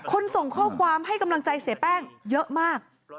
ส่งข้อความให้กำลังใจเสียแป้งเยอะมาก